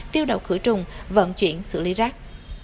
tiêu độc khử trùng vận chuyển xử lý rác